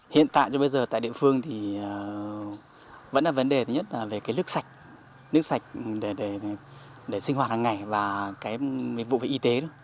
hiện tại cho bây giờ tại địa phương thì vẫn là vấn đề thứ nhất là về cái nước sạch nước sạch để sinh hoạt hàng ngày và cái dịch vụ về y tế thôi